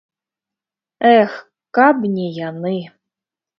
Эх, каб не яны!